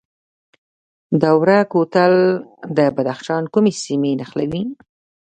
دوره کوتل د بدخشان کومې سیمې نښلوي؟